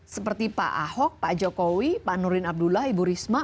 seperti pak ahok pak jokowi pak nurdin abdullah ibu risma